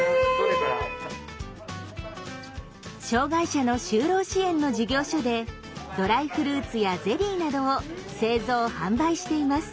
障害者の就労支援の事業所でドライフルーツやゼリーなどを製造販売しています。